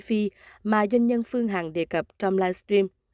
phi phi mà doanh nhân phương hằng đề cập trong live stream